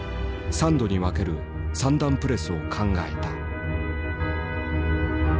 ３度に分ける３段プレスを考えた。